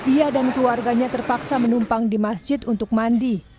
ia dan keluarganya terpaksa menumpang di masjid untuk mandi